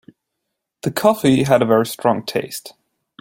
The coffee had a very strong taste.